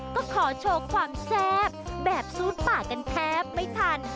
ก็ขอโชว์ความแซ่บแบบซูดปากกันแทบไม่ทัน